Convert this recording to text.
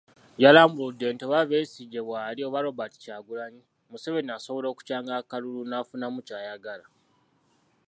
Yalambuludde nti oba Besigye waali oba Robert Kyagulanyi, Museveni asobola okukyanga akalulu n'afunamu kyayagala.